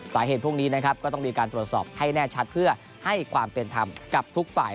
สาเหตุพวกนี้นะครับก็ต้องมีการตรวจสอบให้แน่ชัดเพื่อให้ความเป็นธรรมกับทุกฝ่าย